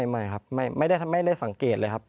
ไม่ครับไม่ได้สังเกตเลยครับ